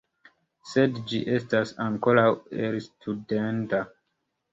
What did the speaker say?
Sed ĝi estas ankoraŭ elstudenda.